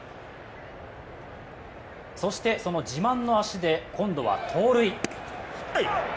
そして、その自慢の足で今度は盗塁。